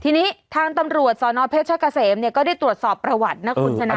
ทีนี้ทางตำรวจสนเพชรกะเสมเนี่ยก็ได้ตรวจสอบประวัตินะคุณชนะ